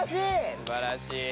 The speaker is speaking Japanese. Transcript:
すばらしい。